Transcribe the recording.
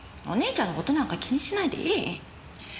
お姉ちゃんの事なんか気にしないでいい。